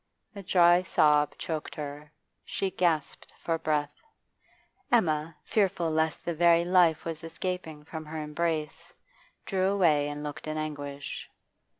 A dry sob choked her; she gasped for breath. Emma, fearful lest the very life was escaping from her embrace, drew away and looked in anguish.